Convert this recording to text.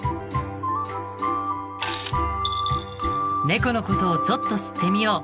ネコのことをちょっと知ってみよう。